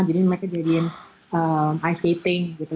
jadi mereka jadiin ice skating gitu